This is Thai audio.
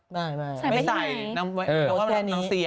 ไม่ใส่ไปที่ไหน